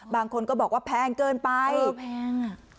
บางคนก็บอกว่าแพงเกินไปแพงอ่ะ